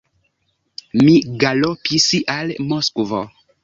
Mi galopis al Moskvo.